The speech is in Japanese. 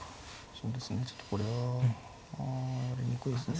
そうですねちょっとこれはああやりにくいですね。